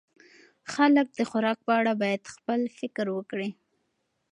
خلک د خوراک په اړه باید خپل فکر وکړي.